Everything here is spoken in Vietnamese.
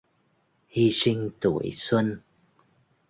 Hi sinh tuổi xuân